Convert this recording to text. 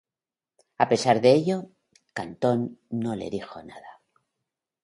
A pesar de ello, Catón no le dijo nada.